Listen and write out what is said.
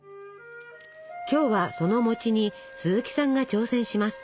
今日はそのに鈴木さんが挑戦します。